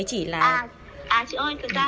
à chị ơi thực ra thì phải chắc chắn thì bên em mới làm